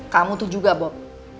kamu tuh juga bob